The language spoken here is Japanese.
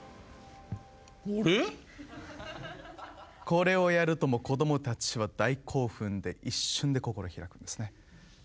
これをやるともうこどもたちは大興奮で一瞬で心開くんですね。